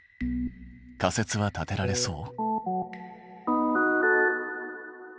仮説は立てられそう？